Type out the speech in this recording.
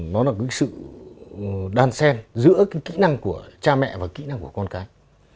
nó là cái sự đan xen giữa cái kỹ năng của cha mẹ và kỹ năng của con cái